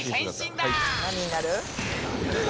何になる？